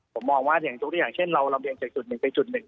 ผมมองว่าอย่างทุกอย่างเช่นเราลำเรียงจากจุดหนึ่งไปจุดหนึ่ง